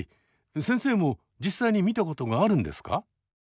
先生も実際に見たことがあるんですか？